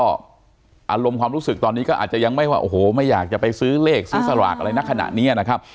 อารมณ์ความรู้สึกตอนนี้ก็อาจจะยังไม่ว่าโอ้โหไม่อยากจะไปซื้อเลขซื้อสลากอะไรในขณะนี้นะครับ